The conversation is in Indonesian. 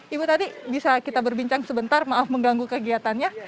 ibu tadi bisa kita berbincang sebentar maaf mengganggu kegiatannya